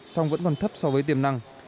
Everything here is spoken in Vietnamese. song vẫn còn thấp so với tiềm năng